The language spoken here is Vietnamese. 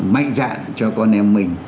mạnh dạn cho con em mình